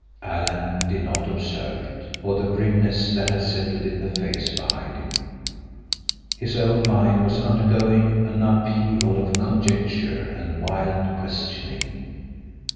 Alan did not observe it, or the grimness that had settled in the face behind him. His own mind was undergoing an upheaval of conjecture and wild questioning.